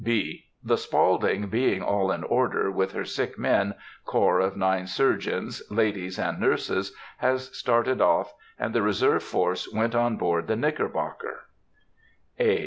(B.) The Spaulding, being all in order, with her sick men, corps of nine surgeons, ladies, and nurses, was started off, and the reserve force went on board the Knickerbocker. (A.)